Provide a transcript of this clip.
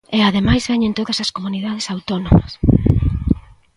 E ademais veñen todas as comunidades autónomas.